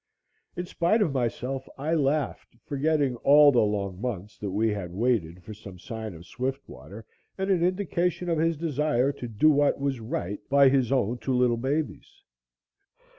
In spite of myself, I laughed, forgetting all of the long months that we had waited for some sign of Swiftwater and an indication of his desire to do what was right by his own two little babies.